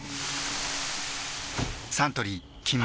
サントリー「金麦」